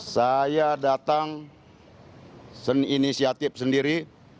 saya datang seninisiatif sendiri